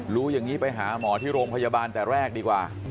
รู้อย่างนี้ไปหาหมอที่โรงพยาบาลแต่แรกดีกว่า